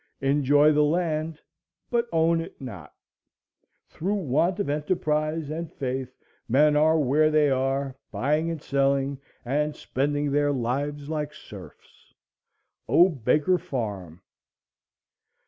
Enjoy the land, but own it not. Through want of enterprise and faith men are where they are, buying and selling, and spending their lives like serfs. O Baker Farm!